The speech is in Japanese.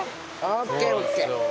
ＯＫＯＫ！